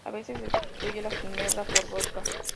A veces se sustituye la ginebra por vodka.